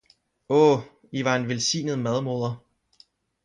Oh, I var en velsignet madmoder!